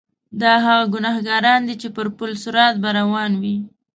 دا هغه ګناګاران دي چې پر پل صراط به روان وي.